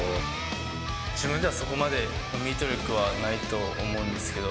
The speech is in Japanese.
自分ではそこまでミート力はないと思うんですけど、